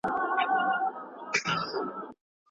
آیا ځمکه تر ستوري کوچنۍ ده؟